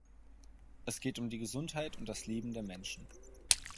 Es geht um die Gesundheit und das Leben der Menschen.